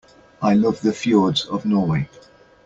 I love the fjords of Norway.